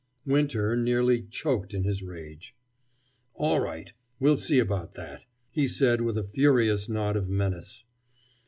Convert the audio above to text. Winter nearly choked in his rage. "All right! We'll see about that!" he said with a furious nod of menace.